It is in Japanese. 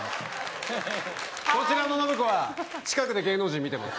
こちらの信子は近くで芸能人見てます